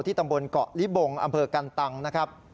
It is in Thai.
ตำบลเกาะลิบงอำเภอกันตังนะครับ